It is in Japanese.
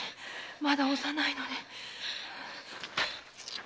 まだ幼いのに。